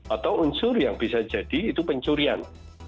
atau unsur yang bisa jadi itu pencurian